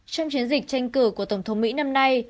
trong chiến dịch tranh cử của tổng thống mỹ năm nay